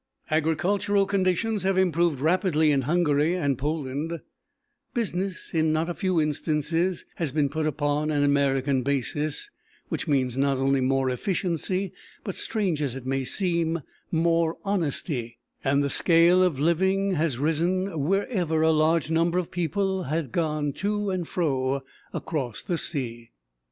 Agricultural conditions have improved rapidly in Hungary and Poland; business in not a few instances has been put upon an American basis, which means not only more efficiency, but strange as it may seem, more honesty; and the scale of living has risen wherever a large number of people has gone to and fro across the sea.